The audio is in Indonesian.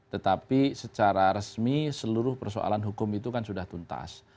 tetapi secara resmi seluruh persoalan hukum itu kan sudah tuntas